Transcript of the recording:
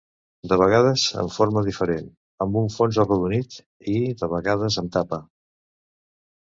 De vegades amb forma diferent, amb un fons arrodonit i, de vegades, amb tapa.